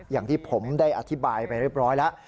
อย่างที่ผมได้อธิบายไปเรียบร้อยแล้ว